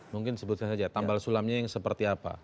mungkin sebut saja tambal sulamnya yang seperti apa